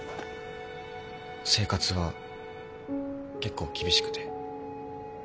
生活は結構厳しくて。